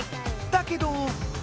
だけど。